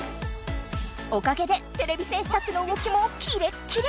おかげでてれび戦士たちのうごきもキレッキレ！